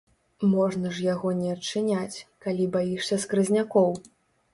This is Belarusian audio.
Можна ж яго не адчыняць, калі баішся скразнякоў.